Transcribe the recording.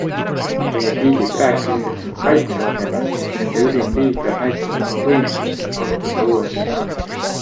Meie giidid rääkisid, et nad kaitsevad ennast ning nende ülim liider näitas oma võimsust, et vallutada USA.